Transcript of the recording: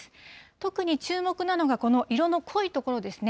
特に注目なのがこの色の濃い所ですね。